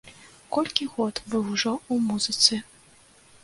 Колькі год вы ўжо ў музыцы?